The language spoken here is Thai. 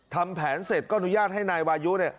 ทำแผนเสร็จก็อนุญาตให้นายวายุเนี่ย